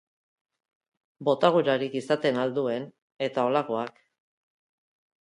Botagurarik izaten al duen, eta halakoak.